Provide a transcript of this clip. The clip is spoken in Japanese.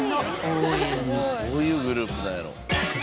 どういうグループなんやろ。